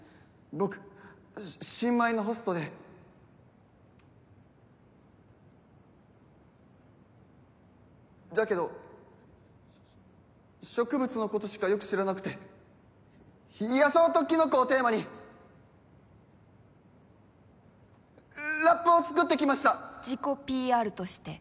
僕新米のホストでだけど植物のことしかよく知らなくて野草とキノコをテーマにラップを作ってきました自己ＰＲとして？